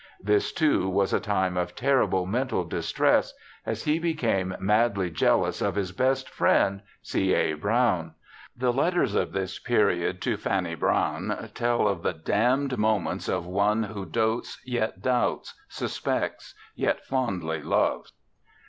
This, too, was a time of terrible mental distress, as he became madly jealous of his best friend, C. A. Brown. The letters of this period to Fanny Brawne tell of the 'damned moments ' of one who ' dotes yet doubts, suspects, yet fondl}' loves